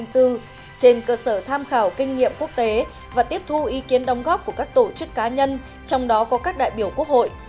trên cơ sở tham khảo kinh nghiệm quốc tế và tiếp thu ý kiến đồng góp của các tổ chức cá nhân trong đó có các đại biểu quốc hội